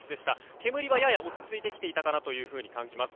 煙はやや落ち着いていたように感じます。